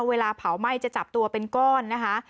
เวลาเผาไหม้จะจับตัวเป็นก้อนนะคะ